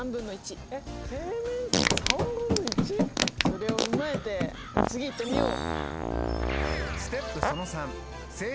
それを踏まえて次いってみよう。